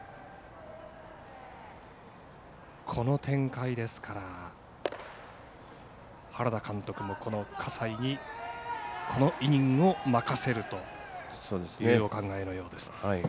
この展開ですから原田監督も葛西にこのイニングを任せるというお考えのようです。